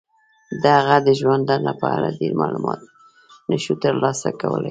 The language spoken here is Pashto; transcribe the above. د هغه د ژوندانه په اړه ډیر معلومات نشو تر لاسه کولای.